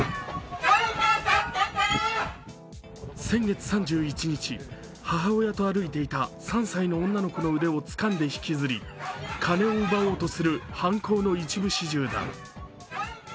先月３１日、母親と歩いていた３歳の女の子の腕をつかんで引きずり、金を奪おうとする犯行の一部始終だ。